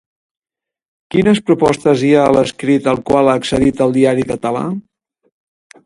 Quines propostes hi ha a l'escrit al qual ha accedit el diari català?